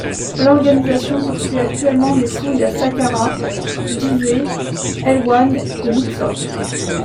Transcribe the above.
L'organisation poursuit actuellement des fouilles à Saqqarah, Gizeh, Helwan et Louxor.